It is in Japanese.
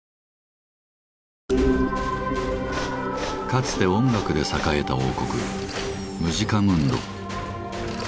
かつて音楽で栄えた王国「ムジカムンド」。